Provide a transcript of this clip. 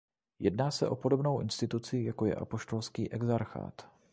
Jedna se o podobnou instituci jako je apoštolský exarchát.